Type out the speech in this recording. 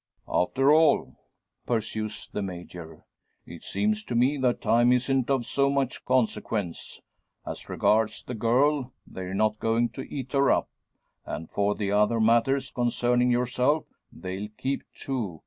"After all," pursues the Major, "it seems to me that time isn't of so much consequence. As regards the girl, they're not going to eat her up. And for the other matters concerning yourself, they'll keep, too.